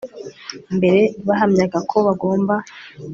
mbere bahamyaga ko bagomba